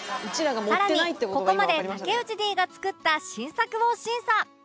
更にここまで武内 Ｄ が作った新作を審査